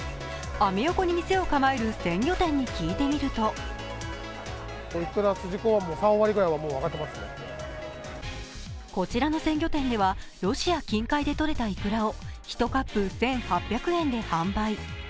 アメ横に店を構える鮮魚店に聞いてみるとこちらの鮮魚店ではロシア近海でとれたいくらを１カップ１８００円で販売。